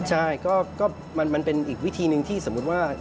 ใช่ก็มันเป็นอีกวิธีหนึ่งที่สมมุติว่า